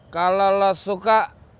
kalau lo suka